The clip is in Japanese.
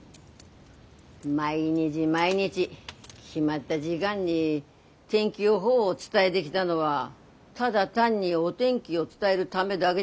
毎日毎日決まった時間に天気予報を伝えできたのはただ単にお天気を伝えるためだげじゃないでしょ？